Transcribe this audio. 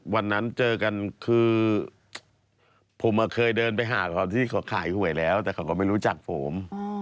วันนั้นเจอกันคือผมเคยเดินไปหาเขาที่เขาขายหวยแล้วแต่เขาก็ไม่รู้จักผม